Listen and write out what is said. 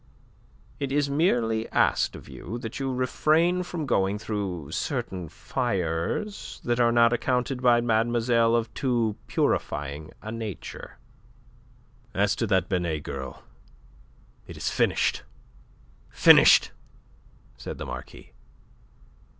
"It is merely asked of you that you refrain from going through certain fires that are not accounted by mademoiselle of too purifying a nature." "As to that Binet girl, it is finished finished," said the Marquis.